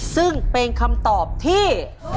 ซึ่งเป็นคำตอบที่